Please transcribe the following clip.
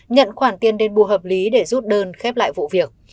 nhận khoản tiền đền bù hợp lý để rút đơn khép lại vụ việc